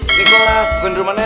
di kelas bukan rumah nenek